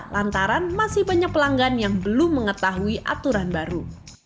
lantaran masih banyak pelanggan yang belum mengetahui aturan baru